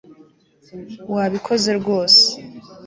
wabikoze rwose